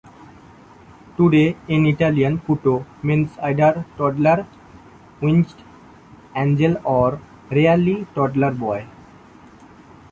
Today, in Italian, "putto" means either toddler winged angel or, rarely, toddler boy.